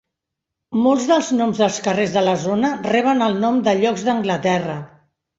Molts dels noms de carrers de la zona reben el nom de llocs d'Anglaterra.